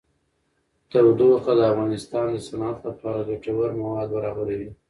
تودوخه د افغانستان د صنعت لپاره ګټور مواد برابروي.